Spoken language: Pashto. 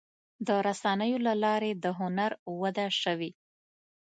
د رسنیو له لارې د هنر وده شوې.